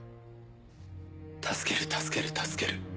助ける助ける助ける